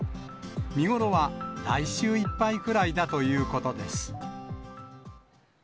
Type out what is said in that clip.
見頃は来週いっぱいくらいだということです。